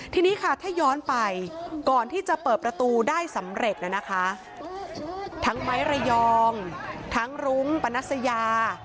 ทีนี้ค่ะถ้าย้อนไปก่อนที่จะเปิดประตูได้สำเร็จนะคะทั้งไม้ระยองทั้งรุ้งปนัสยา